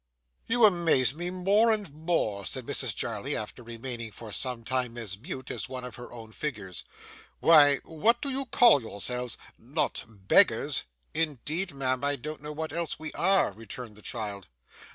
'You amaze me more and more,' said Mrs Jarley, after remaining for some time as mute as one of her own figures. 'Why, what do you call yourselves? Not beggars?' 'Indeed, ma'am, I don't know what else we are,' returned the child.